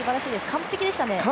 完璧でしたね。